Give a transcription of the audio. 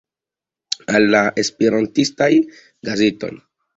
Al la Esperantistaj Gazetoj.